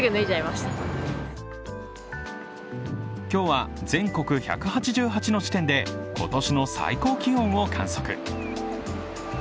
今日は全国１８８の地点で今年の最高気温を観測。